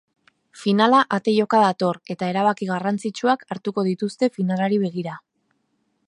Finala ate joka dator eta erabaki garrantzitsuak hartuko dituzte finalari begira.